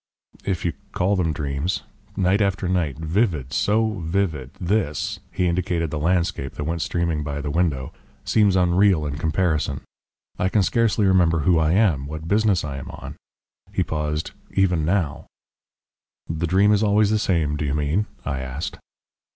"If you call them dreams. Night after night. Vivid! so vivid... this " (he indicated the landscape that went streaming by the window) "seems unreal in comparison! I can scarcely remember who I am, what business I am on...." He paused. "Even now " "The dream is always the same do you mean?" I asked.